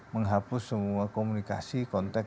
menghapus semua komunikasi kontak